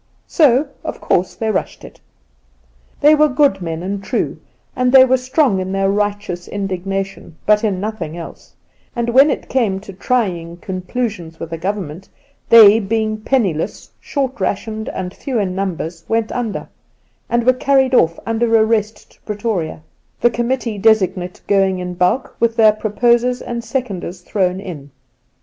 So of course they rushed it ! They were good men and true, and they were strong in their righteous indignation, but in nothing else ; and when it came to trying conclusions with a Grovernment, they, being penniless, short rationed, and few in numbers, went under, and were carried ofi' under arrest to Pretoria, the committee desig nate going in bulk, with their proposers and seconders thrown in.